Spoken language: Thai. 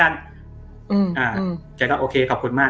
แกก็แบบว่าโอเคขอบคุณมาก